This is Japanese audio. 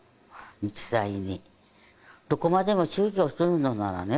実際にどこまでも宗教するのならね